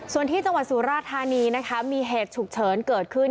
ส่วนที่จังหวัดสุราธานีนะคะมีเหตุฉุกเฉินเกิดขึ้น